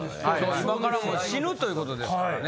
今から死ぬということですからね。